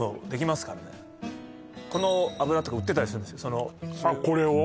この油とか売ってたりするんですあっこれを？